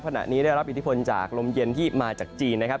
ขณะนี้ได้รับอิทธิพลจากลมเย็นที่มาจากจีนนะครับ